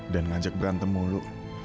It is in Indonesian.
dan ngajak berantem mulu